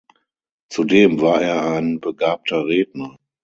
Zudem war er ein begabter Redner.